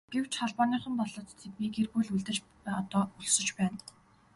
Гэвч Холбооныхон болоод тэдний гэр бүл үлдэж одоо өлсөж байна.